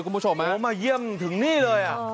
คุณผู้ชมโอ้มาเยี่ยมถึงนี่เลย